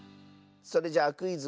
それじゃあ「クイズ！